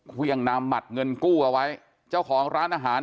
เครื่องนามหมัดเงินกู้เอาไว้เจ้าของร้านอาหาร